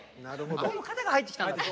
向こうの肩が入ってきたんだと。